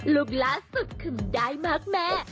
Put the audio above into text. ลูกล้าสุดคือมันได้มากแม่